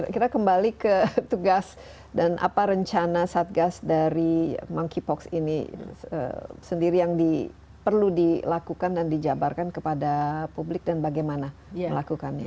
kita kembali ke tugas dan apa rencana satgas dari monkeypox ini sendiri yang perlu dilakukan dan dijabarkan kepada publik dan bagaimana melakukannya